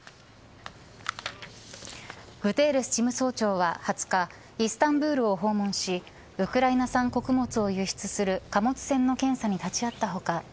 グテーレス事務総長は２０日イスタンブールを訪問しウクライナ産穀物を輸出する貨物船の検査に立ち会った他